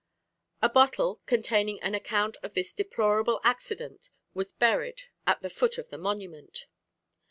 A bottle, containing an account of this deplorable accident, was buried at the foot of the monument.